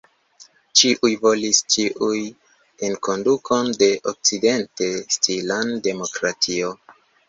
Ĉiuj volis ĉiuj enkondukon de okcident-stilan demokratio.